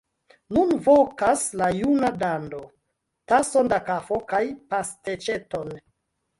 Nun vokas la juna dando: tason da kafo kaj pasteĉeton!